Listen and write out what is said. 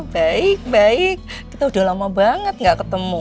baik baik kita udah lama banget gak ketemu